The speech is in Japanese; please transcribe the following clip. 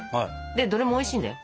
でどれもおいしいんだよ。